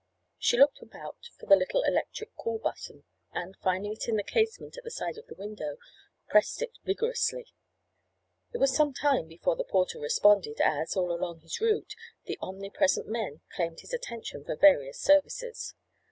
She looked about for the little electric call button, and, finding it in the casement at the side of the window, pressed it vigorously. It was some time before the porter responded as, all along his route, the omnipresent men claimed his attention for various services.